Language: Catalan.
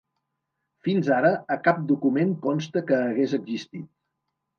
Fins ara, a cap document consta que hagués existit.